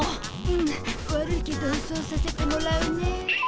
うん悪いけどそうさせてもらうね。